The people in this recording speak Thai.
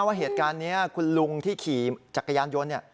ว่าเหตุการณ์นี้คุณลุงที่ขี่จักรยานยนต์